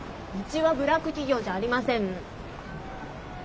うちはブラック企業じゃありません。